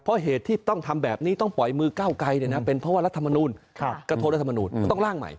เพราะเหตุที่ต้องทำแบบนี้ต้องปล่อยมือก้าวไกรเป็นเพราะว่ารัฐมนูลกระโทษรัฐมนูลต้องล่างใหม่